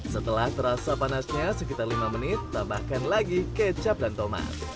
setelah terasa panasnya sekitar lima menit tambahkan lagi kecap dan tomat